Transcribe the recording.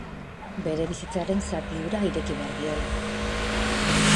Bere bizitzaren zati hura ireki behar diola.